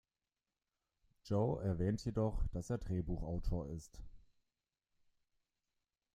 Joe erwähnt jedoch, dass er Drehbuchautor ist.